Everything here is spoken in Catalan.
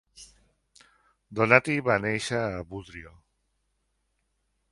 Donati va néixer a Budrio.